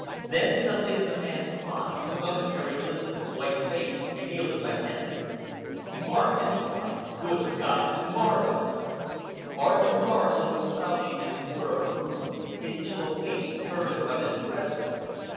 Then something in the man's cry, a momentary glimpse of his white face, revealed his identity. "Morrison!" he cried. "Good God, it's Morrison!" Arthur Morrison was crouching in a corner of the room, his evil face turned upon his aggressor.